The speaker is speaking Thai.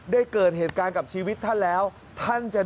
นี่จากใจอนัทพงเลยนะ